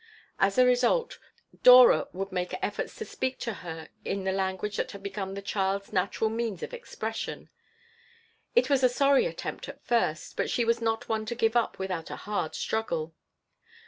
As a result, Dora would make efforts to speak to her in the language that had become the child's natural means of expression. It was a sorry attempt at first; but she was not one to give up without a hard struggle.